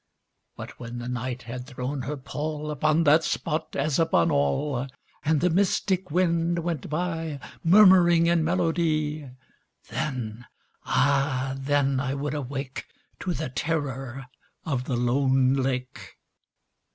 But when the Night had thrown her pall Upon that spot, as upon all, And the mystic wind went by Murmuring in melody— Then—ah then I would awake To the terror of the lone lake.